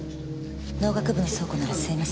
農学部の倉庫なら吸えますよ。